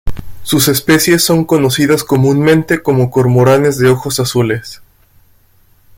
Sus especies son conocidas comúnmente como cormoranes de ojos azules.